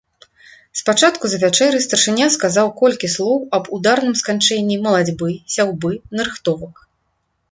Спачатку за вячэрай старшыня сказаў колькі слоў аб ударным сканчэнні малацьбы, сяўбы, нарыхтовак.